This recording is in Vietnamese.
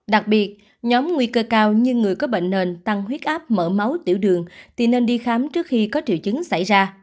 đặc biệt nhóm nguy cơ cao như người có bệnh nền tăng huyết áp mở máu tiểu đường thì nên đi khám trước khi có triệu chứng xảy ra